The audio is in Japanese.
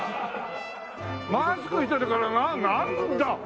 マスクしてるからなんだ！